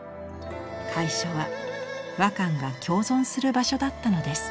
会所は和漢が共存する場所だったのです。